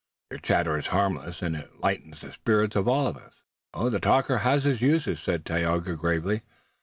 "Your chatter is harmless, and it lightens the spirits of us all." "The talker has his uses," said Tayoga gravely.